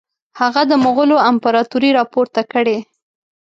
هغه د مغولو امپراطوري را پورته کړي.